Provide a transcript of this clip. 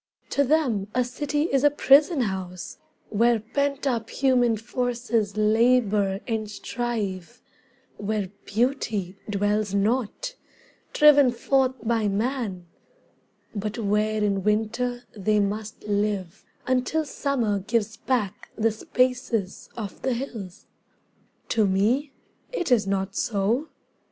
To them a city is a prison house Where pent up human forces labour and strive, Where beauty dwells not, driven forth by man; But where in winter they must live until Summer gives back the spaces of the hills. To me it is not so.